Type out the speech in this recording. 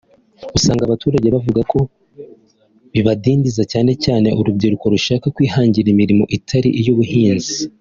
usanga abaturage bavuga ko bibadindiza cyane cyane urubyiruko rushaka kwihangira imirimo itari iy’ubuhinzi